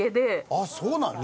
ああそうなの？